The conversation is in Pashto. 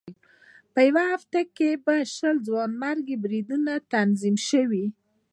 په یوه هفته کې به شل ځانمرګي بریدونه تنظیم شي.